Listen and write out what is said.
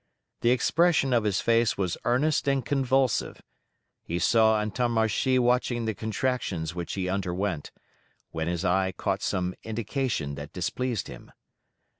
The expression of his face was earnest and convulsive; he saw Antommarchi watching the contractions which he underwent, when his eye caught some indication that displeased him.